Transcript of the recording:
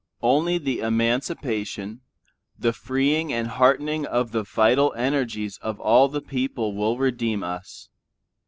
Only the emancipation, the freeing and heartening of the vital energies of all the people will redeem us.